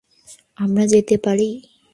আমরা যেতে পারি।